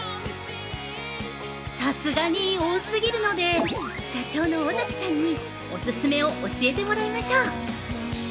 さすがに多すぎるので、社長の尾崎さんにお勧めを教えてもらいましょう。